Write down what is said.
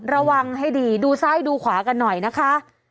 ระวังให้ดีดูซ้ายดูขวากันหน่อยนะคะ